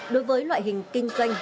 đối với loại hình kinh doanh